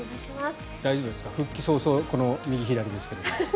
大丈夫ですか復帰早々、この右左ですが。